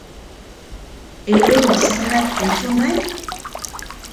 Euren bizipenak entzun nahi?